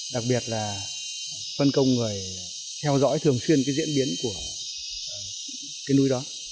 đặc biệt là phân công người theo dõi thường xuyên diễn biến của núi đó